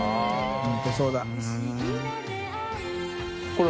本当そうだ。